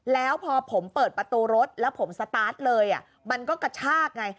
แล้วพอผมเปิดประตูรถแล้วผมสตาร์ทเลยมันก็กระชากไง